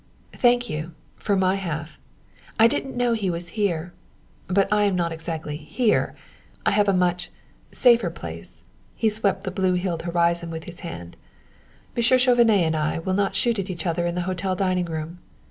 "Thank you, for my half! I didn't know he was here! But I am not exactly here I have a much, safer place," he swept the blue hilled horizon with his hand. "Monsieur Chauvenet and I will not shoot at each other in the hotel dining room.